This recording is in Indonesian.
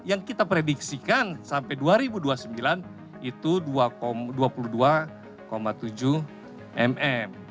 yang kita prediksikan sampai dua ribu dua puluh sembilan itu dua puluh dua tujuh mm